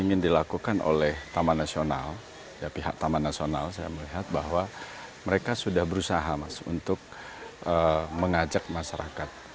yang ingin dilakukan oleh taman nasional pihak taman nasional saya melihat bahwa mereka sudah berusaha untuk mengajak masyarakat